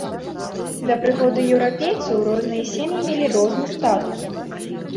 Да прыходу еўрапейцаў розныя сем'і мелі розны статус.